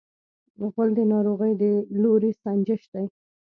غول د ناروغۍ د لوری سنجش دی.